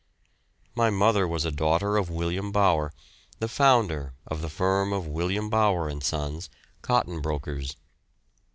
My mother was a daughter of William Bower, the founder of the firm of William Bower and Sons, cotton brokers.